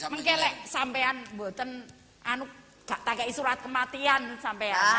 mungkin sampaian mungkin anu kak kak isurat kematian sampaian